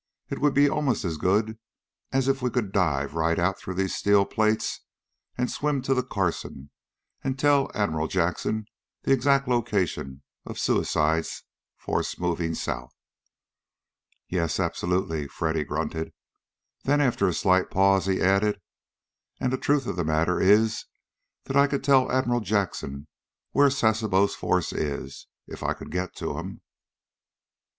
It would be almost as good as if we could dive right out through these steel plates and swim to the Carson and tell Admiral Jackson the exact location of Suicide's force moving south." "Yes, absolutely!" Freddy grunted. Then, after a slight pause, he added, "And the truth of the matter is that I could tell Admiral Jackson where Sasebo's force is, if I could get to him."